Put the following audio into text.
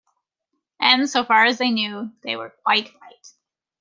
And, so far as they knew, they were quite right.